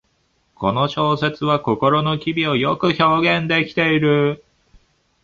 この小説は心の機微をよく表現できている